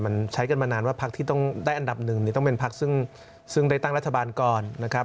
มันใช้กันมานานว่าพักที่ต้องได้อันดับหนึ่งเนี่ยต้องเป็นพักซึ่งได้ตั้งรัฐบาลก่อนนะครับ